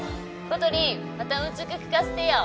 コトリンまたうんちく聞かせてよ